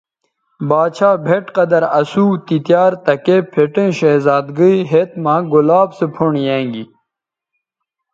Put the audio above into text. باڇھا بھئٹ قدر اسو تی تیار تکے پھٹیئں شہزادگئ ھت مہ گلاب سو پھنڈ یانگی